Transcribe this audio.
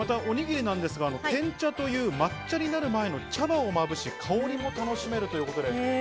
おにぎりは碾茶という抹茶になる前の茶葉をまぶして香りも楽しめるということです。